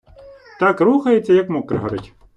Так рухається, як мокре горить.